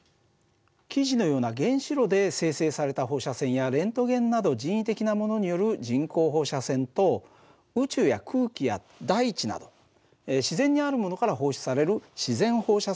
記事のような原子炉で生成された放射線やレントゲンなど人為的なものによる人工放射線と宇宙や空気や大地など自然にあるものから放出される自然放射線がある。